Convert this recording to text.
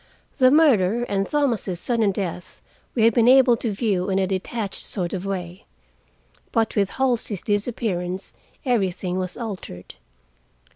The murder and Thomas' sudden death we had been able to view in a detached sort of way. But with Halsey's disappearance everything was altered.